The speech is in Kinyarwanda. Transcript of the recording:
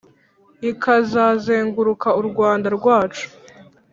Ikazazenguruka u Rwanda rwacu